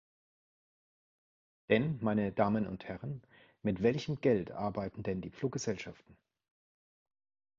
Denn, meine Damen und Herren, mit welchem Geld arbeiten denn die Fluggesellschaften?